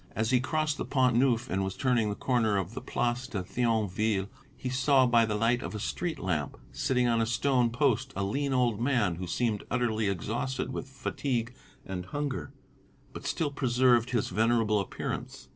As he crossed the Pont Neuf and was turning the corner of the Place de Thionville, he saw by the light of a street lamp, sitting on a stone post, a lean old man who seemed utterly exhausted with fatigue and hunger, but still preserved his venerable appearance.